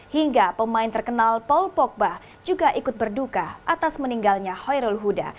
hingga pemain terkenal paul pogba juga ikut berduka atas meninggalnya hoyrul huda